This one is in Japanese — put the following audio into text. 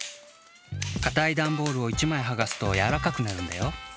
かたいダンボールをいちまいはがすとやわらかくなるんだよ。